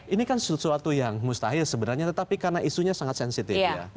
ini kan sesuatu yang mustahil sebenarnya tetapi karena isunya sangat sensitif ya